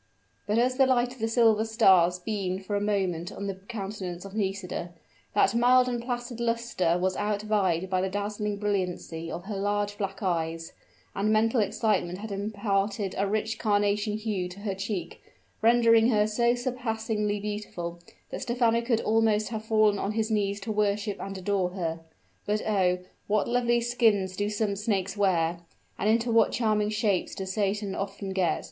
But as the light of the silver stars beamed for a moment on the countenance of Nisida, that mild and placid luster was out vied by the dazzling brilliancy of her large black eyes: and mental excitement had imparted a rich carnation hue to her cheek, rendering her so surpassingly beautiful that Stephano could almost have fallen on his knees to worship and adore her. But, oh! what lovely skins do some snakes wear! and into what charming shapes does satan often get!